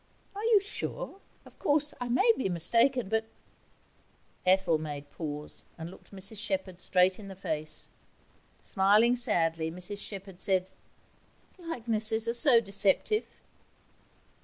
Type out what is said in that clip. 'Are you sure? Of course, I may be mistaken; but ' Ethel made pause, and looked Mrs Shepherd straight in the face. Smiling sadly, Mrs Shepherd said 'Likenesses are so deceptive.'